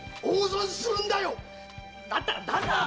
だったら旦那！